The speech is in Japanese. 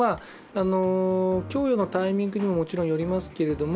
供与のタイミングにももちろんよりますけれども、